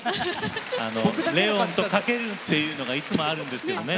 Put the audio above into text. レオンとかけるっていうのがいつもあるんですけどね